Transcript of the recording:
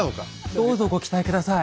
どうぞご期待下さい。